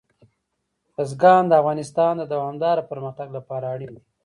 بزګان د افغانستان د دوامداره پرمختګ لپاره اړین دي.